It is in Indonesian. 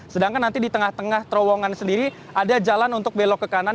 sedangkan nanti di tengah tengah terowongan sendiri ada jalan untuk belok ke kanan